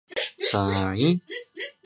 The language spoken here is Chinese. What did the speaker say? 龚积柄是清朝举人。